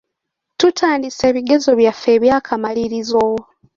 Tutandise ebigezo byaffe eby'akamalirizo.